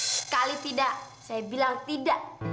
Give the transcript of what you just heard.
sekali tidak saya bilang tidak